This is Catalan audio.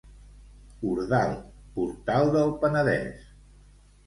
Ordal, portal del Penedès.